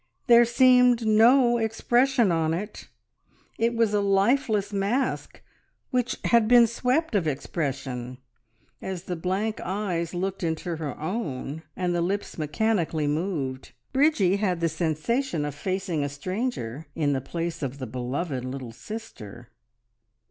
There seemed no expression on it; it was a lifeless mask which had been swept of expression. As the blank eyes looked into her own and the lips mechanically moved, Bridgie had the sensation of facing a stranger in the place of the beloved little sister.